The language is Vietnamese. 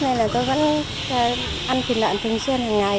nên là tôi vẫn ăn thịt lợn thường xuyên hàng ngày